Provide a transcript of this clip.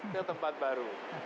ke tempat baru